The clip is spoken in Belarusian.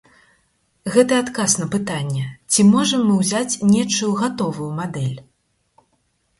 Гэта і адказ на пытанне, ці можам мы ўзяць нечую гатовую мадэль?